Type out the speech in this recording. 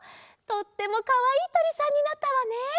とってもかわいいとりさんになったわね。